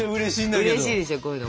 うれしいでしょこういうの。